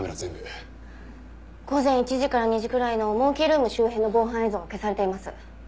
午前１時から２時くらいのモンキールーム周辺の防犯映像が消されています。